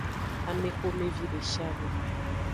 Amexomevi deshiade.